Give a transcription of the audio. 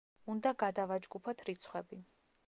უნდა გადავაჯგუფოთ რიცხვები.